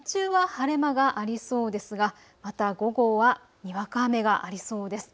日中は晴れ間がありそうですがまた午後はにわか雨がありそうです。